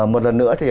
một lần nữa